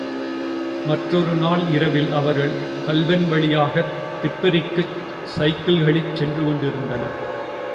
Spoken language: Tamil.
மற்றொரு நாள் இரவில் அவர்கள் கல்வென் வழியாகத் திப்பெரிக்குச் சைக்கிள்களிற் சென்று கொண்டிருந்தனர்.